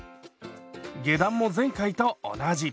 下段も前回と同じ。